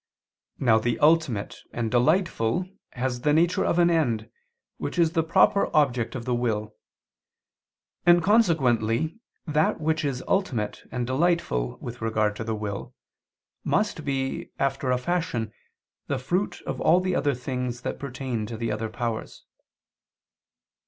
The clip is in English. Now the ultimate and delightful has the nature of an end, which is the proper object of the will: and consequently that which is ultimate and delightful with regard to the will, must be, after a fashion, the fruit of all the other things that pertain to the other powers.